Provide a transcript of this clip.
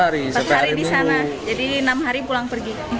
empat hari di sana jadi enam hari pulang pergi